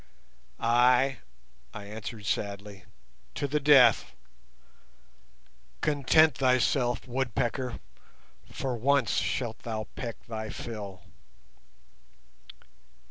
"Ay," I answered sadly, "to the death. Content thyself, 'Woodpecker', for once shalt thou peck thy fill."